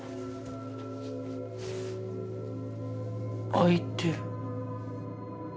開いてる。